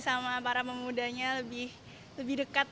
sama para pemudanya lebih dekat